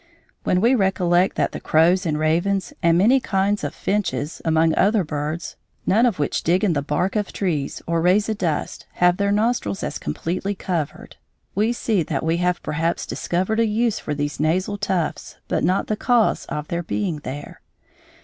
When we recollect that the crows and ravens and many kinds of finches, among other birds, none of which dig in the bark of trees or raise a dust, have their nostrils as completely covered, we see that we have perhaps discovered a use for these nasal tufts but not the cause of their being there.